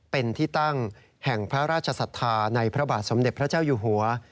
เป็นที่ตั้งแห่งพระราชศรัทธาในพระบาทสมเด็จพระเจ้าอยู่หัว